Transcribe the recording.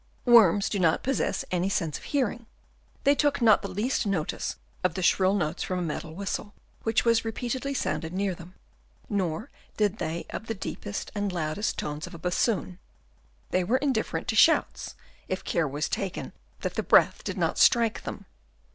Worms do not possess any sense of hearing. They took not the least notice of the shrill notes from a metal whistle, which was re peatedly sounded near them ; nor did they of the deepest and loudest tones of a bassoon. They were indifferent to shouts, if care was taken that the breath did not strike them.